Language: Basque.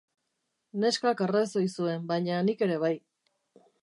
Neskak arrazoi zuen, baina nik ere bai.